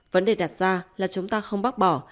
vấn đề đặt ra là chúng ta không bác bỏ